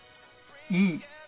うん。